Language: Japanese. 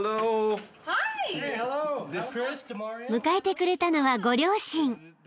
［迎えてくれたのはご両親］